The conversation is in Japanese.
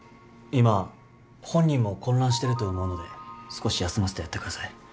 今本人も混乱してると思うので少し休ませてやってください。